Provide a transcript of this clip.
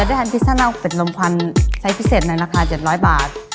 แต่แทนพิสันออกเป็นรมควันไซส์พิเศษในราคา๗๐๐บาท